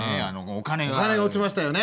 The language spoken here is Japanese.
お金が落ちましたよね。